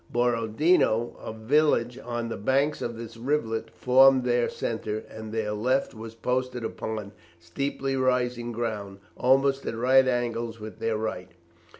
Borodino, a village on the banks of this rivulet, formed their centre, and their left was posted upon steeply rising ground, almost at right angles with their right.